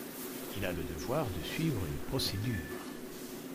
Il a le devoir de suivre une procédure.